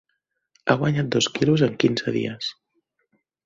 Ha guanyat dos quilos en quinze dies.